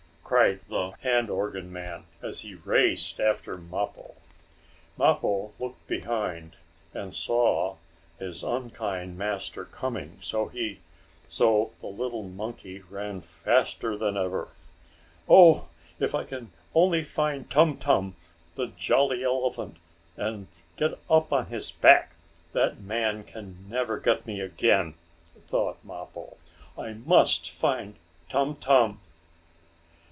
cried the hand organ man, as he raced after Mappo. Mappo looked behind, and saw his unkind master coming, so the little monkey ran faster than ever. "Oh, if I can only find Tum Tum, the jolly elephant, and get up on his back, that man can never get me again!" thought Mappo. "I must find Tum Tum!"